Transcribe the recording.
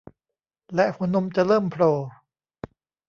และหัวนมจะเริ่มโผล่